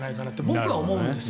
僕は思うんですよ。